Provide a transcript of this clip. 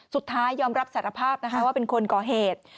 สุดท้ายยอมรับสารภาพนะคะว่าเป็นคนก่อเหตุ